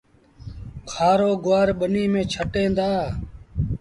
کآرو گُوآر ٻنيٚ ميݩ ڇٽيٚن دآ